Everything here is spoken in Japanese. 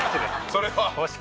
それは。